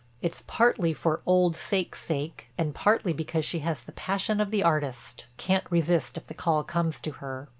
It's partly for old sakes' sake and partly because she has the passion of the artist—can't resist if the call comes to her.